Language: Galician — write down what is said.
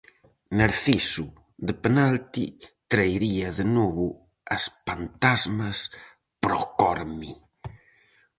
Narciso, de penalti, traería de novo as pantasmas para o Corme.